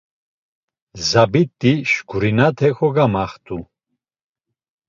Zabit̆i şǩurinate kogamaxt̆u.